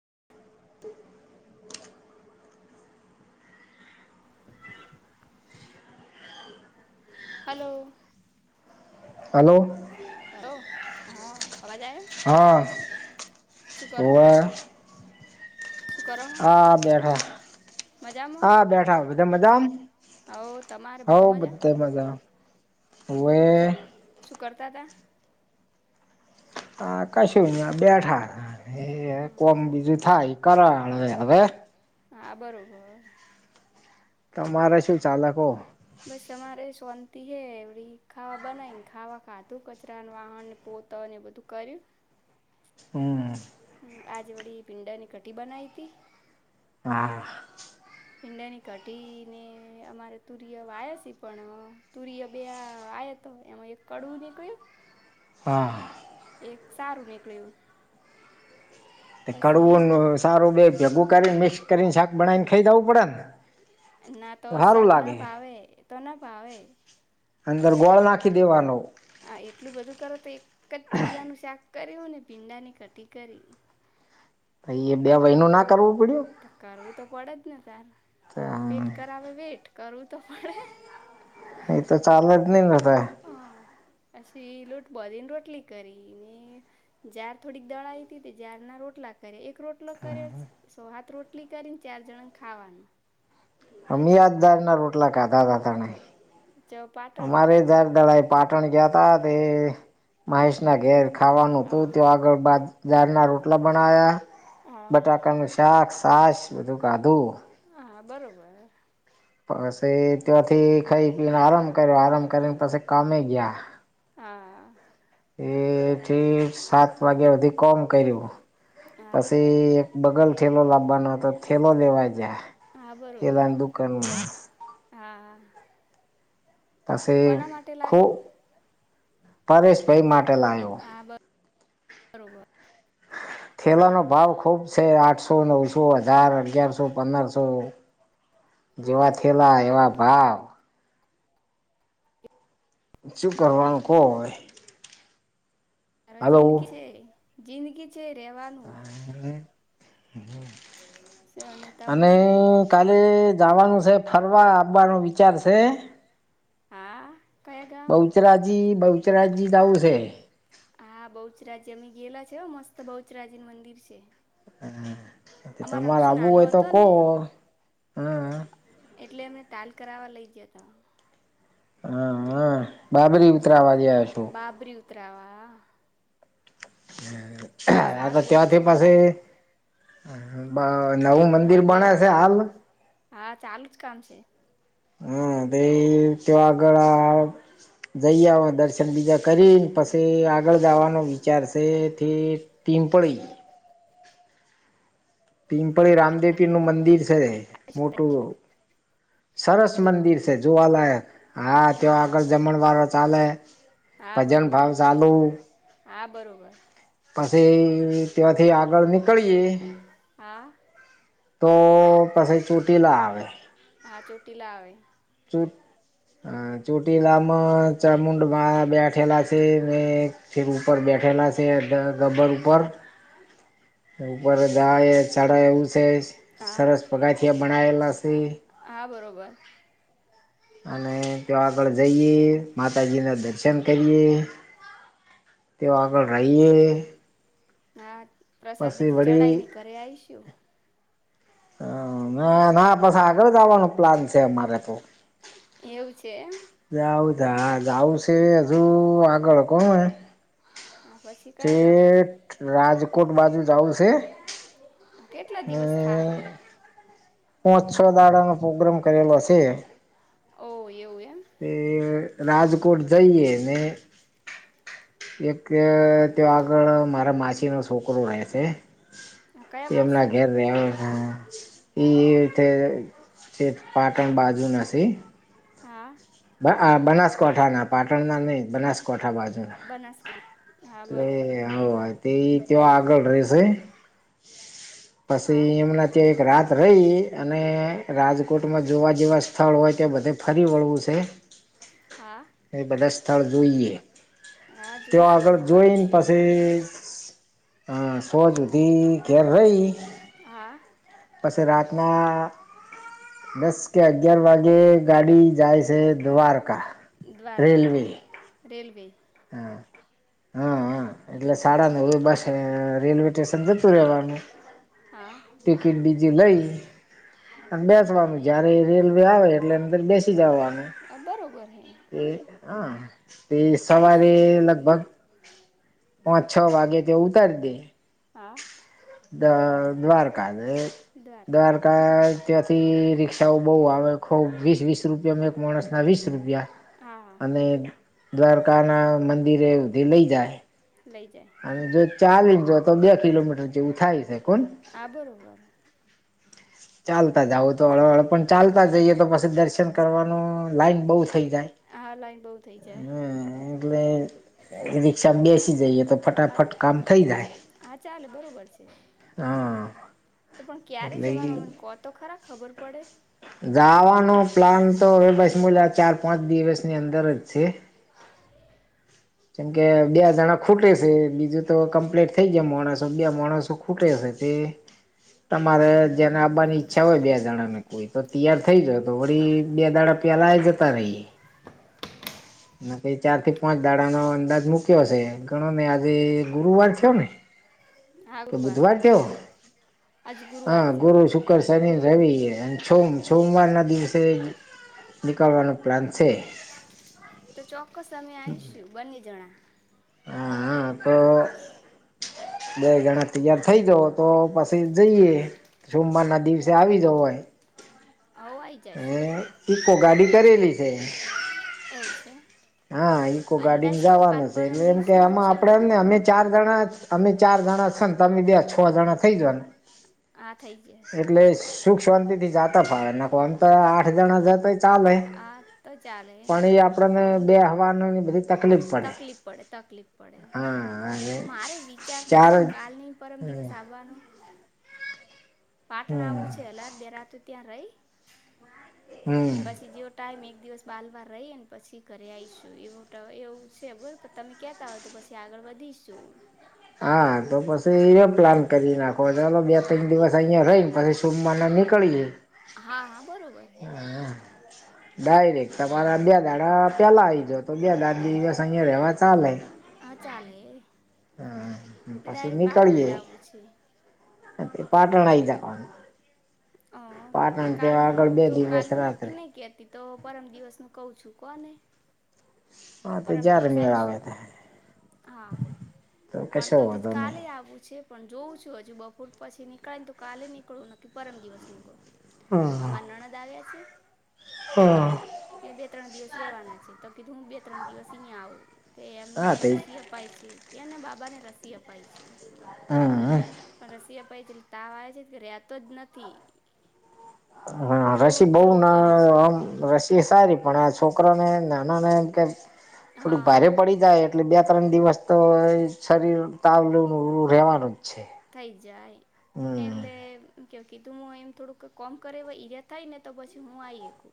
[inaudible] [inaudible] Hello. Hello. કરો હ. હા શું કરો વા. શું કરો હા બેઠા મજામાં હા બેઠા બધા મજામ હો તમારે હવ બધા મજા? મજા હ હોવે સુ સુું કરતા હતા? હ કશું નહી આ બેઠા, એ કોમ બીજું થાય. કરા આણે હવે. હા બરોબર. તમારે શું ચાલે કો? બસ અમારે. શોંતી હે એડી ખાવા બનાવીને ખાવા ખાધું કચરા વાહણ ને પોતને બધું કર્યું. હમ્મ આજે વળી ભીંડાની કઢી બનાઇતી આહ. ભીંડાની કઢી ને અમારે તુર્ય વાયાસે પણ તુર્ય બે આય [inaudible] તો એમાં એક કડવું નીકળ્યું હા. એક સારું નીકળ્યું. તે પછી એક કડવું નુ સારું બેગ્કે, ભૂકાની મિક્સ કરીને શાક બનાવીને ખાઈ જવું પડે ને? ના તો સારું શાક ના લાગે ભાવે તો ના ભાવે. અંદર ગોળ નાખી દેવાનો. હા એટલું બધું કરો તો એક જ તુરિયાનું શાક કર્યું અને ભીંડાની કટી કરી. પઇ એ બે વય નુ ના કરવું. પડ્યું કરવું તો પડે જ ને તાર પેટ કરાવે વેટ કરવું તો પણણે. એ તો ચાલ જ નહી ર તો. હા પછી લોટ બધીને રોટલી કરી, ને ઝાર થોડીક દળાય થી તે ઝાર ના રોટલા લા કરે એક રોટલો કરે સો હાથ રોટલી કરીને ચાર જણાને ખાવાનું. અમયાજદાર ના રોટલા ખાધા તા તા નહી ચ પાટણ અમારે જાર દડાઇ પાટણ ગયા તા તે મહેશ ના ઘેર. ખાવાનું હતું હા તે આગળ બાજ ઝારના રોટલા બનાયા હા બટાકાનું શાક. તાશ બધું કાધું હા બરોબર પસ તે ત્યાંથી ખાઈ પીને આરામ કર્યો આરામ કરીને પછી કામે ગયા. હા એથી સાત. દ વાગ્યા હુધી કોમ કર્યું હા પછી એક બગલ થેલો લાવવાનો અતો થેલોનો લેવા જ્યાં. હા બરોબર હા હા. પછી ખુ લાયો પરેશભાઈ માટ પેહ્લા આયો. હા બરોબર થેલાનો ભાવ ખૂબ સે, આઠસો નવસો હજાર અગિયારસો પંદરસો જેવા થેલા એવા ભાવ. શું કરવાનું કહો હવે. [unintelligible] હલો જિંદગી છે, જિંદગી છે રહેવાનું હમ અને કાલે જાવાનું સે ફરવા, આવવાનો વિચાર સે? હા કયા ગામ બહુચરાજી-બહુચરાજી જાવું સે. હા બહુચરાજી અમે ગયેલા છે હો મસ્ત બહુચરાજીનું મંદિર છે. હ, કે અમારો તમારે અક્ષુ આવું નાનો હોય તો હતો કહો ને હા. એટલે અમે તાલ કરાવવા લઈ જયાતા. હ હ. બાબરી ઉતરાવા ગ્યા તો. ત્રાવા અહ હા તો સારું બહુ ત્યાંથી પછી જોવાલાયક બ નવું મંદિર બણે મોટેરા છે હાલ. હા ચાલુ જ કામ છે. હા તે ત્યાં ગળા જઈ આવો દર્શન બીજા કરીન પસી આગળ જાવાનો વિચાર સે થે પીમ્પળી. પિંપળી રામદેવીનું મંદિર સે મોટું. સરસ મંદિર સે જોવાલાયક. હા તે આગળ જમણવાડ ચાલે, હા ભજન બરોબર ભાવ ચાલુ હા બરોબર. પછી ત્યાંથી આગળ નીકળીયે હા તો પછી ચૂટીલા આવે હા ચોટીલા આવેે. ચુટ હા ચોટીલામાં ચામુંડમાં બેઠેલા છે ને ઠેટ ઉપર બેઠ ઠેલા છે ડ ગબ્બર ઉપર. ઉપર જાયે ચડે વિશેષ હા સરસ પગથિયા બનાયેલાસ હા બરોબર. અને જો આગળ જઈએ, માતાજી ના દર્શન કરીએ તેઓ આગળ રહીએ હા પ્રસાદ પછી બીજી ચઢાય વળી ને ઘરે આઈશું. હં ન ના પસી આગળ જાવાનું પ્લાન સે અમારે તો. એવું છે એમ જાઉ થા હા જાઉં સે હજુ આગળ કોમ હે? હા પછી કયા ગામ ઠેઠ રાજકોટ બાજુ જાઉં સે. આ કેટલા દિવસ થાહે? પોચ છ દાડાનો પ્રોગ્રામ કરેલો સે. ઓહ એવું એ એ રાજકોટ જઈએ ને એકે તે આગળ મારા માસીનો છોકરો રહે છે હા, કયા એ એમના માસી ઘેર રહે વા એ ઠે ઠેટ પાટણ બાજુના સે. હા. આ બનાસકાંઠા ના, પાટણના નહીં, બનાસ કોઠા બાજુના. બનાસકાંઠા હા એટલે બરોબર હોવા તેઈ ત્યા આગળ રહેશે. પછી હા એમના ત્યાં એક રાત રહી અને હા રાજકોટમાં જોવા જેવા સ્થળ હોય કે બધે ફરી વળવું છે. હા એ બધા સ્થળ જોઈએ. હા જોઈશું અમે. પણ કોય ની આવીશું પાસે અ સો સુધી ઘેર હોય હા પછી રાતના દસ કે અગયાર વાગે ગાડી જાય છે દ્વાર દ્વારકા રેલવે હા હા હા એટલે શાડાા નવે બસ રેલવે સ્ટેશન જતું રેવાનું હા ટિકિટ બીજ લઈ અને બેસવાનું જયારે રેલવે આવે એટલેં અંદાર બેસી જવાનું આ બરોબર હૈ. એ હા તે સવારે અમે લગભગ પાંચ છ વાગે તે ઉતારી દે હા દ દ્વારકા ને દ્વારકા ત્યાંથી રી ક્ષા બઉં આવે ખૂબ આનંદ વીસ વીસ રૂપિયા એક માણસ ના વીસ રૂપિયા હા અને દ્વારકા ના મંદિરે ડેલી જાય લઈ જાય અને જો ચાલી ને જાવ તો બે કિલોમીટર જેવું થાય છે કોણ આ બરોબર ચાલતા જાવું તો હળ હળ પણ ચાલતા જઈએ તો પછી દર્શન કરવાનું લાઈન બહુ થઈ હા લાઈન બહુ થઈ જાય જાય એટલે રિકષા બેસી જઈએ તો આ ફટાફટ કામ થઈ જાય. હા ચાલે બરોબર છે હા. તો પણ ક્યારે એટલે જવાનું મને કો તો ખરા ખબર પડે. જાવાનો પ્લાન તો હવે બસ મુ ચાર પાંચ દિવસની અંદર જ છે. કેમ કે બે જણા ખૂટે છે બીજું તો કમ્પ્લીટ થઇ ગયા મોણસો બે માણસો ખૂટે છે. એ તમારે જેને આવવાની ઈચ્છા હોય બે જણ ને કોઈ તો તૈયાર થઈ જવ તો વી બે દાડા પેલા જતા રહીએ. નક્કી ચાર થી પાંચ દાડાનો અંદાજ મુક્યો હશે ગણો ને આજે ગુરુવાર છે ને હા કે ગુરુવાર બુધવાર થયો આજ ગુરુવાર હા થયો ગુરુ શુક્ર શનિ રવિ અને સોમ સોમવાર ના દિવસે નીકળવાનો પ્લાન છે તો ચોક્કસ અમે આઇશુ બંને જના હા હા તો બે ગણા તૈયાર થઇ જાવ તો પછી જઈએ સોમવાર ના દિવસે આવી જવાય અવા ઈ જાશુ ઇકો ગાડી કરેલી છે એવું છે હા ઈકો અંદાજ ગાડીમાં તો કાલ જવાનું છે પરમ એટલે એમ કે દિવસનો જ આમાં છે કોણ આપડેમને અમે ચાર જણા અમે ચાર જણા છ ને તમે બેયછ જણા થઇ જાવ ને હા થઈ જાય એટલે સુખ શાંતિ થી જતા ફાવે ના કો આમ તો આઠ જણા જતા ચાલે હા તો ચાલે પણ એ આપણને બે હવાની બધી તકલીફ પડે તકલીફ પડે તકલીફ પડે હા મારે વિચાર તો ચાર છે કાલની પરમ દિવસ આવવાનો પાટણ હમ આવું છે એક રાત બે રાત ત્યાં રહી હમ અને પછી જેવો ટાઈમ એક એક દિવસ બાર વાર રહીને પછી ઘરે આવીશું એવું એવું છે બોલો તમે કેતા હોય તો પછી આગળ વધીશું. હા તો પછી એ પ્લાન કરી નાખો ચાલો બે ત્રણ દિવસ અહિયાં રહી ને પછી સોમવારે નીકળીએ હા હા બરોબર હે ડાયરેક્ટ તમારા બે દાડા પેલાં આઈજ જાવ તો બે દાડા દિવસ અહીંયા રહેવા ચાલે. હા, ચાલે હમ એ ડાયરેક્ટ પાટણ જાવું છે. હે તે પાટણ આઈ જતાનું. અહ કાલનું તો દિવસ કાલનું રાત્રે નક્કી નહી કતી તો પરમ દિવસ નું કહું છું. કો ને. હા, તો જય્યારે મેળ આવે તે. હા, પણ તોધી જ વાંધો નહી કાલે આવું છે પણ જોવુંજ જો હજુ બપોર પછી નીકળે ને તો કાલે નીકળવું ન ને પરમ દિવસ નીકળું. હા અમા નણદ આવ્યા છે. હા એ બે ત્રણ દિવસ રેવાના છે તો કીધું હું બે ત્રણ દિવસ અહીંયા આવો તો એમને હા તે રસી અપાય છે એને બાબાને રસી અપાય છે. હમ્મ. પટલે તાવ આવે છે કે રતો જ નથી. હા, રસી રોજ બઉ રોગ ના કરે છે આમ રશ એ સારી પણ આ છોકરાને નાના નેમ કે થોડીક હા ભારે પડી જાય એટલે બે ત્રણ દિવસ તો એ શરીર તાવ લેવનું રહેવાનું. છે થઈ જાય હમ એટલે કે કીધું એમ થોડુંક કોમ કરે એઈર થાય ને તો પછી હું આઈ એકુ.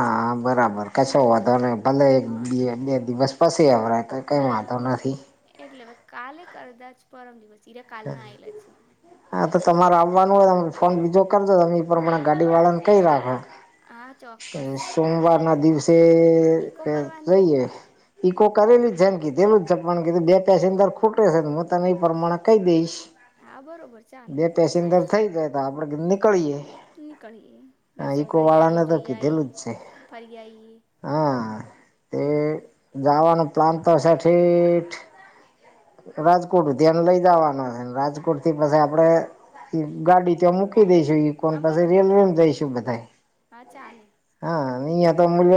હા બરાબર કશો વાંધો નહીં ભલે એક બે બે દિવસ પછી આવ રાએ. હ એટલે હવે કાલે એક અદા જ પરમ દિવસ. હીરા કાલના આવેલા છે હા તો તમારે આવ હોય ફોન બીજો કર દો તમે માણે ગાડી વાળાને કઈ રાખો. હા ચોક્કસ સોમવાર ના દિવસે ઈકો કરવાની રહીએે. ઈકો કરેલી છે ને કે જેલું જ છે પણ કે બે પસે અંદર ખૂટટે છે ને હું તને એ પ્રમાણે કહી દઈશ. હા બરોબર ચાલે બે પેસેન્જર થઇ જાય તો આપડે નીકળીએે. નીકળીયે દર્શન કરીએ વાળાને તો જોઈએ. કીધેલું જ છે હા તે જવાનું પ્લાન તો સે [unintelligible] રાજકોટ ધ્યાને લઈ જવાનું ને રાજકોટ થી પાછા આપડે એ ગાડી ત્યાં મૂકી દઈશું કોણ હા પાસે બરોબર રેલવે છે જઈશું બધાએ. હા ચાલે. અહિયાયા તો મુલ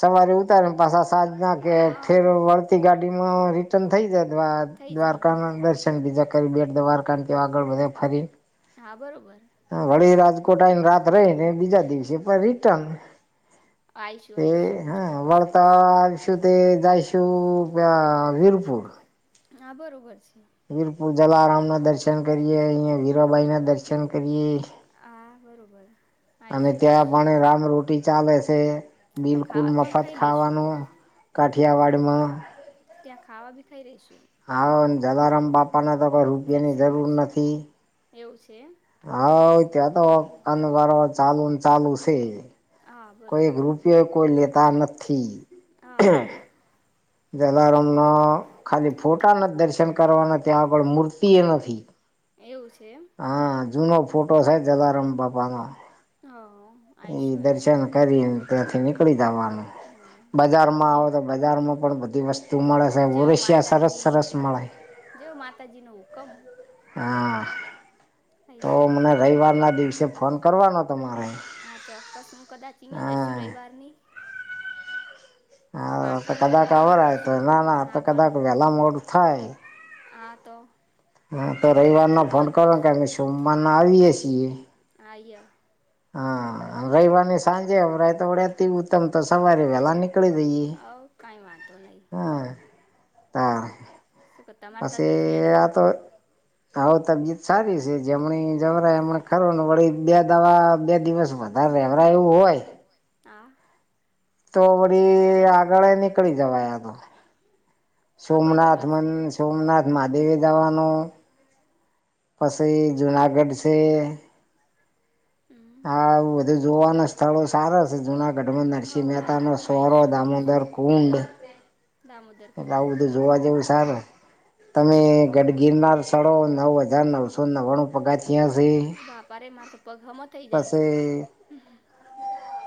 સવારે ઉતારે ને પાછા સાજ ના કે હા ફેર વળતી ગાડી રિટર્ન થઈ જાય થઈ દ્વારકા જઈએ ના દર્શન બીજા બેટ દવાર કા આગળ બધ ફરી. હા બરોબર વળી રાજકોટ આવીને રાત રહી ને બીજા દિવસે પણ રિટર્ન. આવીશું તે આવીશું હા ચોક્કસ આવીશું વળતાશું તે જઈશું વીરપુર. હા બરોબર છે. વીરપુ જલારામ ના દર્શન કરીએ અહિયાયા વીરાબાઈ ના દર્શન કરીએ. હા બરોબર અને આવીશું ત્યાં આવીશું પણ રામરોટી ચાલે છે. તો બિલકુલ ખાવા પણ મફત ખાઈ લઈશું ખાવાનું, કાઠિયાવાડમાં. ત્યાં ખાવા બી ખાઈ રહીશું. હ જલારામ બાપાને તો કોઈ રૂપિયાની દર્શન જરૂર કરીશું નથી. એવું છે એમ હા ત્યાં તો કન વારવાર ચાલુ ચાલુ છે. હા કોઈક બરોબર છે રૂપિયો કોઈ લેતા નથી. હા જલારામ ના ખાલી ફોટા નથી દર્શન કરવાના ત્યાં આગળ મૂર્તિ એ નથી. એવું છે. ફોટોસ હે જલાર બાપનો. હા. એ આવીશું દર્શન આવીશું કરી ત્યાંથી નીક જવાનું હા બજારમાં આવો તો બજારમાં પણ બધી વસ્તુ મળે છે જો ઓરસિયા સરસ માતાજી સરસ મળે જોવ માતાજી નો હુકમ હા તો આઈશું મને રવિવારના દિવસે ફોન કરવાનો તમારે. હા ચોક્કસ હું કદાચ અહીંયા જ રહેશું હા રવિવાર ની હા તો ક કદાક બાલવા આવર તો દસ્યું ના ના પણ તો કદાક આવવાનું વેલા મોડ થાય. હા તો હા તો તો રવિવારના ફોન કરો ને કે કરશો અમે સોમવારના આવીએ છીએ. [unintelligible] હા રવિવાર ની સાંજે અમરાય તો વડેતી ઉત્તમ તો સવારે વેલા ની હવ કાંઈ વાંધો નહીં [unintelligible] હા પા શું કે તમારી પછી તબિયત રેડી આ તો આવો તબિયત સારી છે જમણી જમરા બસ એમણે ખરો વળી બે દવા બે દિવસ વધારે રેમરા એવું હોય. હા. તો વળી આગળ નીકળી જવાય આ નો. હા સોમનાથ બરોબર મં છે તો સોમનાથ મહાદેવી જવાનું. પાછી જુનાગઢ છે. હમ હા એવું બધું જોવાના સ્થળો સારા છે જુના ગઠબંધન સિ હો મહેતા ન સોરો આવીશું દામોદર આવીશું કુંડ. દામોદર એટલે કુંડ આવું બધું જોવા જવું સરાર તમે હા હા ગઢગીરનાર સ્થળો નવ હજાર નવસો ના ઘણું પગાર વાપરે મારે તો પગ હમો થઇ જાય. પછી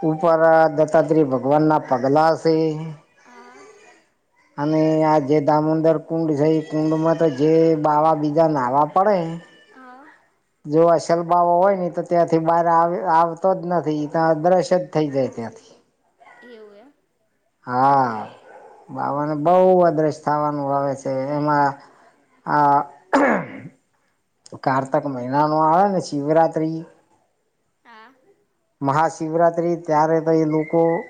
ઉપર દત્તાત્ર્રી ભગવાન પગલા છે. હા. અને આ જે દામોદર કુંડ છે એ કુંડમાં તો જે બાવા બીજા નાહવા પડે હા. જો આ સલબા હોય ને તો ત્યાંથી બહાર આવતો જ નથી ત દ્રશ જ થઈ જાય ત્યાંથી એવું એમ. હા બાબને બહ અદ્રશ થાવાનું આવે છે એમાં આ કારતક મહિના ન આવે ને શિવરાત્રી. મહાશિવરાત્રી ત્યારે તો એ લોકો